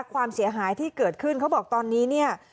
ความเสียหายที่เกิดขึ้นเขาบอกตอนนี้เนี่ย